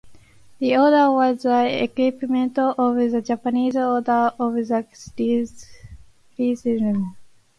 The order was the equivalent of the Japanese Order of the Chrysanthemum.